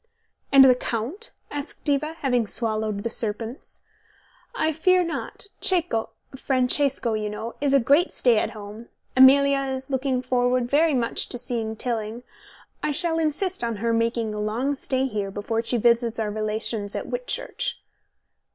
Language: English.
"And the Count?" asked Diva, having swallowed the serpents. "I fear not; Cecco Francesco, you know is a great stay at home. Amelia is looking forward very much to seeing Tilling. I shall insist on her making a long stay here, before she visits our relations at Whitchurch."